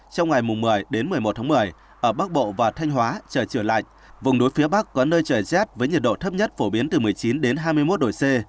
trong ngày một mươi một mươi một tháng một mươi ở bắc bộ và thanh hóa trời trở lạnh vùng núi phía bắc có nơi trời rét với nhiệt độ thấp nhất phổ biến từ một mươi chín đến hai mươi một độ c